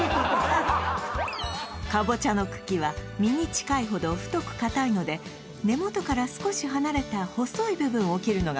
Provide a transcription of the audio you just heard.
かぼちゃの茎は実に近いほど太くかたいので根元から少し離れた細い部分を切るのが